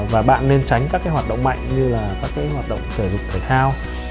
và bạn nên tránh các cái hoạt động mạnh như là các cái hoạt động thể dục thể thao